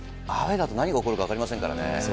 アウエーだと何が起こるか分かりませんからね。